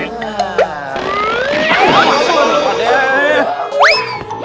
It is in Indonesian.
masalah pak deh